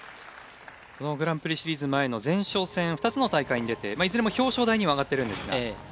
このグランプリシリーズ前の前哨戦２つの大会に出ていずれも表彰台には上がっているんですが。